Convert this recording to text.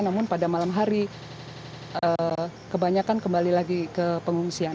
namun pada malam hari kebanyakan kembali lagi ke pengungsian